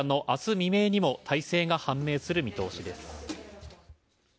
未明にも大勢が判明する見通しです。